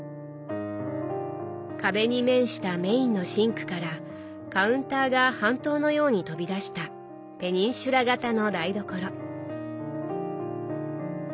壁に面したメインのシンクからカウンターが半島のように飛び出した「ペニンシュラ」型の台所。